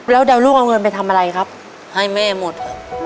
แล้วเดี๋ยวลูกเอาเงินไปทำอะไรครับให้แม่หมด